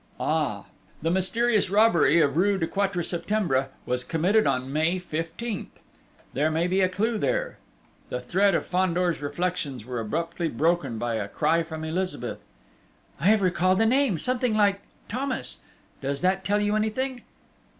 Ah!... The mysterious robbery of rue du Quatre Septembre was committed on May 15th! There may be a clue there! The thread of Fandor's reflections were abruptly broken by a cry from Elizabeth. "I have recalled a name something like ... Thomas!... Does that tell you anything?"